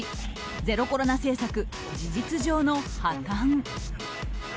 ゼロコロナ政策、事実上の破綻。